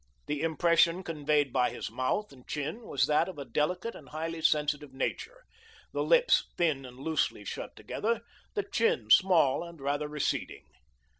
The impression conveyed by his mouth and chin was that of a delicate and highly sensitive nature, the lips thin and loosely shut together, the chin small and rather receding.